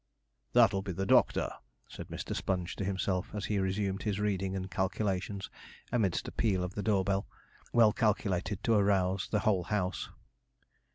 'That'll be the doctor,' said Mr. Sponge to himself, as he resumed his reading and calculations, amidst a peal of the door bell, well calculated to arouse the whole house.